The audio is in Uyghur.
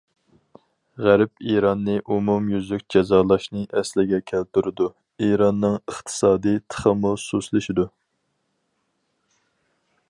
غەرب ئىراننى ئومۇميۈزلۈك جازالاشنى ئەسلىگە كەلتۈرىدۇ، ئىراننىڭ ئىقتىسادىي تېخىمۇ سۇسلىشىدۇ.